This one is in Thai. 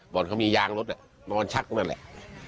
บอกว่าเขามียางรถนอนชักนั่นแหละ